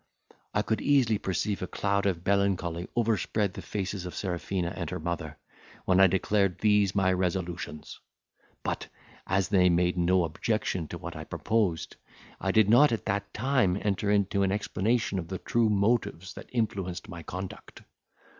I could easily perceive a cloud of melancholy overspread the faces of Serafina and her mother, when I declared these my resolutions; but, as they made no objection to what I proposed, I did not at that time enter into an explanation of the true motives that influenced my conduct.